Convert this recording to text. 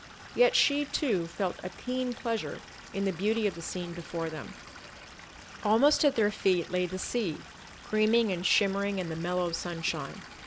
Yet she, too, felt a keen pleasure in the beauty of the scene before them. Almost at their feet lay the sea, creaming and shimmering in the mellow sunshine.